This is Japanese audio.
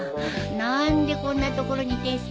何でこんな所にテスト？